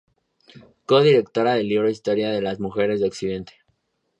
Co-directora del libro Historia de las Mujeres de Occidente.